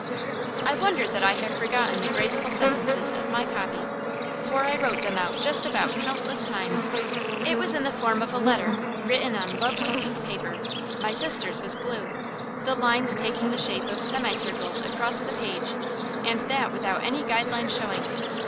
I wonder that I have forgotten the graceful sentences of my "copy"; for I wrote them out just about countless times. It was in the form of a letter, written on lovely pink paper (my sister's was blue), the lines taking the shape of semicircles across the page; and that without any guide lines showing.